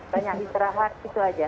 banyak istirahat itu aja